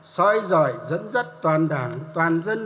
soi dọi dẫn dắt toàn đảng toàn dân